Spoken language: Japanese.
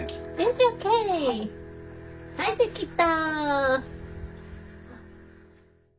はいできた！